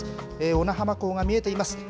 小名浜港が見えています。